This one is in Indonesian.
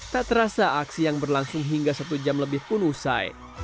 tak terasa aksi yang berlangsung hingga satu jam lebih pun usai